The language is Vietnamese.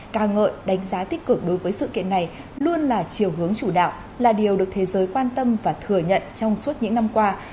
ca ngợi đánh giá tích cực đối với sự kiện này luôn là chiều hướng chủ đạo là điều được thế giới quan tâm và thừa nhận trong suốt những năm qua